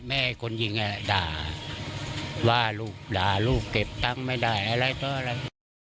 แม่คนยิงด่าว่าลูกด่าลูกเก็บตั้งไม่ได้อะไรเพราะอะไร